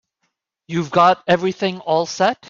You've got everything all set?